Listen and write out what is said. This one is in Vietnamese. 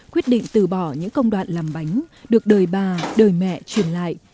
quyết định từ bỏ những công đoạn làm bánh được đời bà đời mẹ truyền lại